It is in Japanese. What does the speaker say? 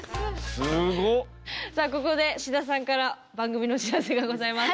さあここで志田さんから番組のお知らせがございます。